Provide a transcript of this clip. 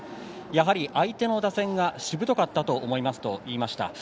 相手の打線がしぶとかったと思いますと言いました。